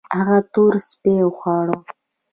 هغه تور سپي وخواړه